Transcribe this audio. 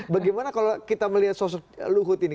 bagaimana kalau kita melihat sosok luhut ini